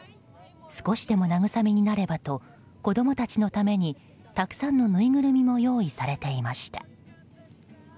少しでも慰めになればと子供たちのためにたくさんのぬいぐるみも用意されていました。